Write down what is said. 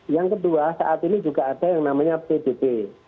yang kedua saat ini juga ada yang namanya pdp